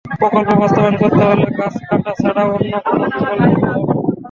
প্রকল্প বাস্তবায়ন করতে হলে গাছ কাটা ছাড়া অন্য কোনো বিকল্প ছিল না।